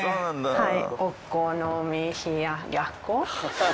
はい。